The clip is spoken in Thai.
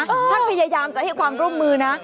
ท่านพยายามจะให้ความร่วมมือนะ